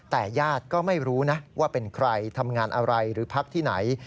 แต่ญาติก็ไม่รู้นะว่าเป็นใครทำงานอะไรหรือพักที่ไหน